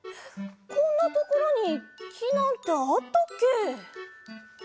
こんなところにきなんてあったっけ？